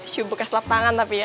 coba buka selap tangan tapi ya